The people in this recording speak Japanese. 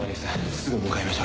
すぐ向かいましょう。